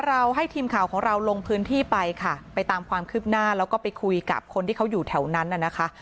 เราให้ทีมข่าวของเราลงพื้นที่ไปค่ะไปตามความคืบหน้าแล้วก็ไปคุยกับคนที่เขาอยู่แถวนั้นน่ะนะคะ